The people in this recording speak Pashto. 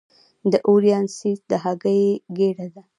د اووریان سیسټ د هګۍ ګېډه ده.